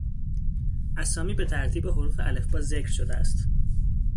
اسامی به ترتیب حروف الفبا ذکر شده است.